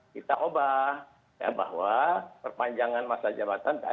kita ubah bahwa perpanjangan masa jabatan